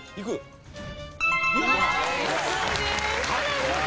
正解です。